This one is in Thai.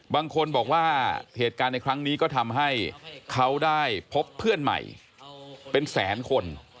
บางคนบอกว่าเหตุการณ์ในครั้งนี้ก็ทำให้เขาได้พบเพื่อนใหม่เป็นแสนคน